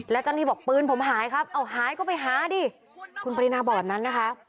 แล้วเจ้าหน้าที่บอกปืนผมหายครับเอาหายก็ไปหาดิคุณปรินาบอกแบบนั้นนะคะ